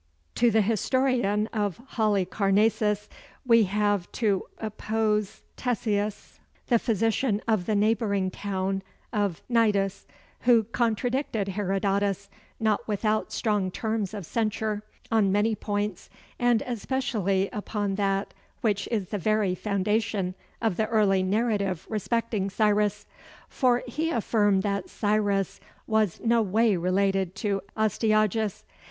To the historian of Halicarnassus we have to oppose Ctesias the physician of the neighboring town of Cnidus who contradicted Herodotus, not without strong terms of censure, on many points, and especially upon that which is the very foundation of the early narrative respecting Cyrus; for he affirmed that Cyrus was no way related to Astyages.